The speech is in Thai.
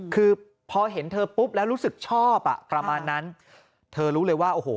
คือพอเห็นเธอปุ๊บแล้วรู้สึกชอบอ่ะประมาณนั้นเธอรู้เลยว่าโอ้โห